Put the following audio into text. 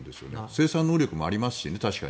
生産能力もありますしね。